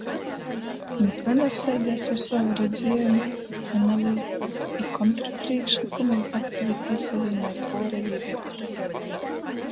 Jim plenarsēdēs ar sovu redziejumu, analizi i kontrprīšklykumim aktivi pīsavīnoj puorejī deputati,